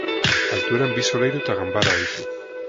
Altueran bi solairu eta ganbara ditu.